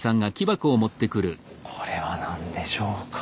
これは何でしょうか？